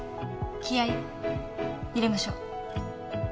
気合入れましょう。